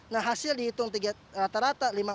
nah hasil dihitung rata rata lima puluh empat